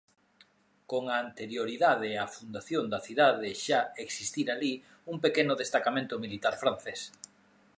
Con anterioridade á fundación da cidade xa existira alí un pequeno destacamento militar francés.